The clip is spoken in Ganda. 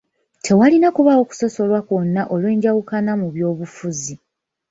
Tewalina kubaawo kusosolwa kwonna olw'enjawukana mu z'ebyobufuzi.